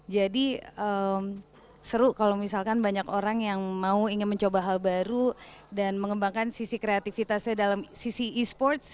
jadi seru kalau misalkan banyak orang yang ingin mencoba hal baru dan mengembangkan sisi kreativitasnya dalam sisi e sports